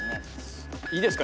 いいですか？